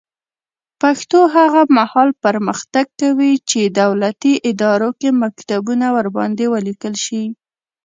پښتو هغه مهال پرمختګ کوي چې دولتي ادارو کې مکتوبونه ورباندې ولیکل شي.